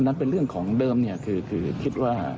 อันนั้นเป็นเรื่องของเดิมคือคิดว่า